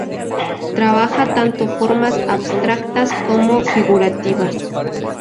Trabaja tanto formas abstractas como figurativas.